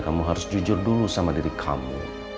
kamu harus jujur dulu sama diri kamu